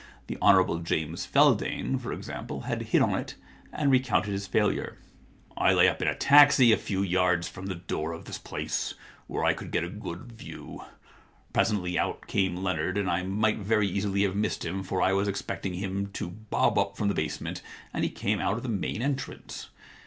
The Hon. James Feldane, for example, had hit on it, and recounted his failure. * I lay up in a taxi a few yards from the door of this place, where I could get a good view. Presently out came Leonard, and I might very easily have missed him, for I was expecting him to bob up from the base ment, and he came out of the main entrance.